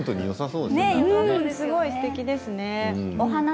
すごいすてきですね。